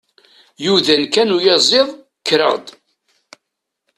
Yudan kan uyaziḍ, kkreɣ-d.